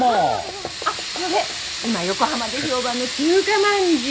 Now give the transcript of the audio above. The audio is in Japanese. あっこれ今横浜で評判の中華まんじゅう。